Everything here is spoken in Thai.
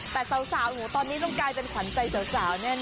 แต่สาวหนูตอนนี้ต้องกลายเป็นขวัญใจสาวแน่น